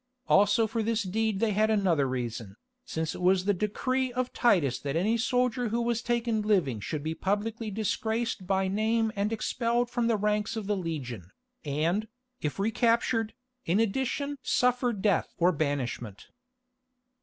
Also for this deed they had another reason, since it was the decree of Titus that any soldier who was taken living should be publicly disgraced by name and expelled from the ranks of the legion, and, if recaptured, in addition suffer death or banishment.